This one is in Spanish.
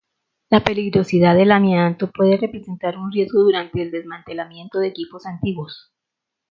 La peligrosidad del amianto puede representar un riesgo durante el desmantelamiento de equipos antiguos.